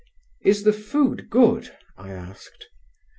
"Is the food good?" I asked.